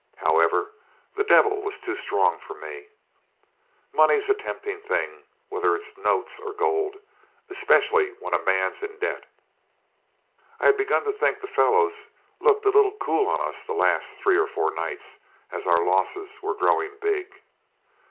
However, the devil was too strong for me. Money's a tempting thing, whether it's notes or gold, especially when a man's in debt. I had begun to think the fellows looked a little cool on us the last three or four nights, as our losses were growing big.